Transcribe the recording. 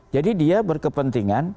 jadi dia berkepentingan